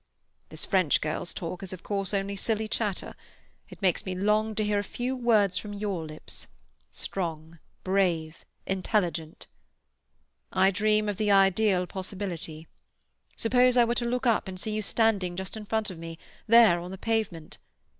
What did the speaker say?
This French girl's talk is of course only silly chatter; it makes me long to hear a few words from your lips—strong, brave, intelligent. "I dream of the ideal possibility. Suppose I were to look up and see you standing just in front of me, there on the pavement.